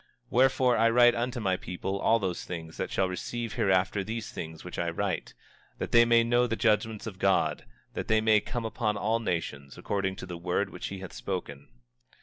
25:3 Wherefore, I write unto my people, unto all those that shall receive hereafter these things which I write, that they may know the judgments of God, that they come upon all nations, according to the word which he hath spoken.